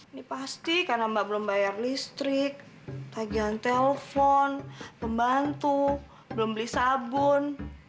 ini pasti karena mbak belum bayar listrik tagihan telpon pembantu belum beli sabun